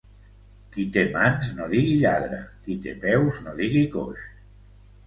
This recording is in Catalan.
Qui té mans no digui lladre, qui té peus no digui coix.